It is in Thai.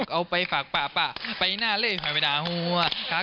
เอาไปฝากป่าป่าไปนี่หน้าเลยไปนี่หน้าหัวหัว